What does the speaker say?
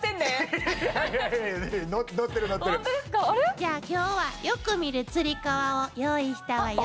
じゃあ今日はよく見るつり革を用意したわよ。